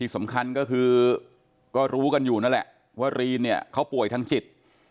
สำคัญคือก็รู้กันอยู่ว่าเรนมันป่วยทั้งจิต